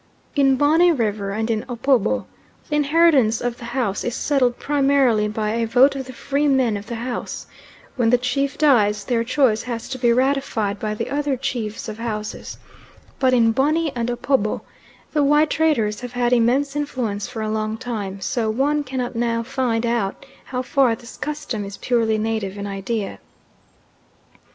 In Bonny River and in Opobo the inheritance of "the house" is settled primarily by a vote of the free men of the house; when the chief dies, their choice has to be ratified by the other chiefs of houses; but in Bonny and Opobo the white traders have had immense influence for a long time, so one cannot now find out how far this custom is purely native in idea.